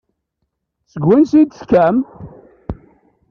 Seg wansi i d-tekkam?